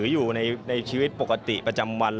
อยู่ในชีวิตปกติประจำวัน